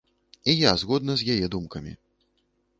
І я згодна з яе думкамі.